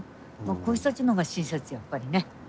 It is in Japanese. こういう人たちのほうが親切やっぱりね。